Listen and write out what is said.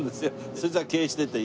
そいつが経営してて。